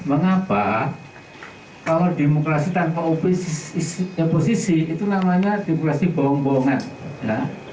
mengapa kalau demokrasi tanpa oposisi itu namanya demokrasi bohong bohongan ya